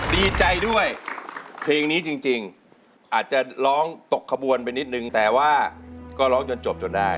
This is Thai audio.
ดีใจด้วยเพลงนี้จริงอาจจะร้องตกขบวนไปนิดนึงแต่ว่าก็ร้องจนจบจนได้